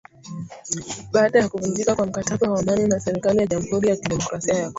baada ya kuvunjika kwa mkataba wa amani na serikali ya jamhuri ya kidemokrasia ya Kongo